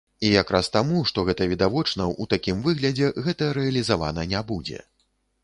І якраз таму, што гэта відавочна, у такім выглядзе гэта рэалізавана не будзе.